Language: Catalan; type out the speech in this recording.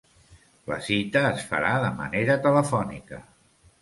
La cita es farà de manera telefònica.